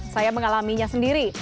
saya mengalaminya sendiri